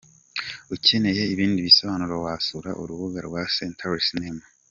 Ukeneye ibindi bisobanuro wasura urubuga rwa Century Cinema www.